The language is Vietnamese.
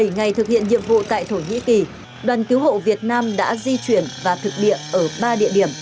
bảy ngày thực hiện nhiệm vụ tại thổ nhĩ kỳ đoàn cứu hộ việt nam đã di chuyển và thực địa ở ba địa điểm